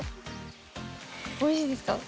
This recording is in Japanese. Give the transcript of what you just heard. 美味しいですか？